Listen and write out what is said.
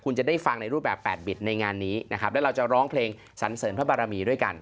คุณจะได้ฟังในรูปแบบแปดบิดในงานนี้นะครับแล้วเราจะร้องเพลงสันเสริญพระบารมีด้วยกัน